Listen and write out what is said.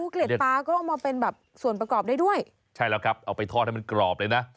เกล็ดปลาก็เอามาเป็นแบบส่วนประกอบได้ด้วยใช่แล้วครับเอาไปทอดให้มันกรอบเลยนะ